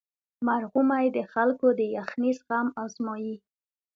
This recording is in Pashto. مرغومی د خلکو د یخنۍ زغم ازمويي.